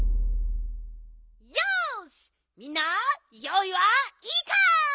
よしみんなよういはいいか？